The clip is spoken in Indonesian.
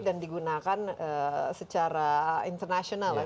dan digunakan secara international